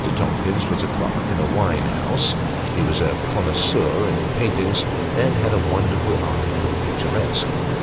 Tomkins was a clerk in a wine house ; he was a connoisseur in paintings, and had a wonderful eye for the picturesque.